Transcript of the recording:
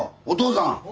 お父さん。